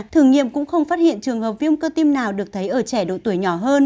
thử nghiệm cũng không phát hiện trường hợp viêm cơ tim nào được thấy ở trẻ độ tuổi nhỏ hơn